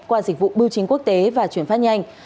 qua dịch vụ bưu chính quốc tế và chuyển phát nhanh